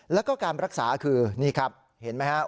แล้วก็การรักษาคือนี่ครับเห็นไหมครับ